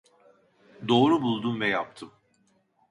Doğru buldum ve yaptım.